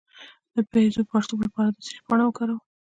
د بیضو د پړسوب لپاره د څه شي پاڼه وکاروم؟